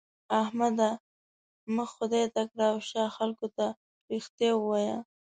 احمده! مخ خدای ته کړه او شا خلګو ته؛ رښتيا ووايه.